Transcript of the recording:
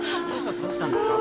どうしたんですか？